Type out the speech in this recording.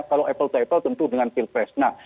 kalau apple to apple tentu dengan pilpres nah